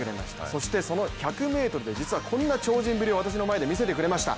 そしてその１００ｍで実はこんな超人ぶりを私の前で見せてくれました。